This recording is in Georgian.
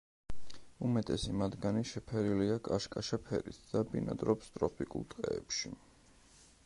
უმეტესი მათგანი შეფერილია კაშკაშა ფერით და ბინადრობს ტროპიკულ ტყეებში.